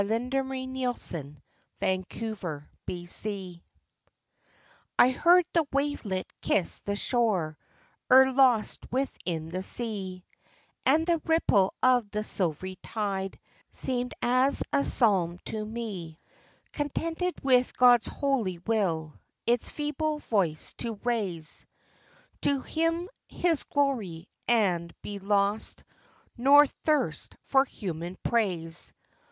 Dora Greenwell. LOVING SERVICE. T HEARD the wavelet kiss the shore, ere lost within the sea, And the ripple of the silvery tide seemed as a psalm to me Contented with God's holy will, its feeble voice to raise, To hymn His glory, and be lost, nor thirst for human praise.